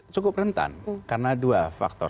cukup rentan karena dua faktor